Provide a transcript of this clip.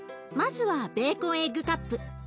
まずはベーコンエッグカップ。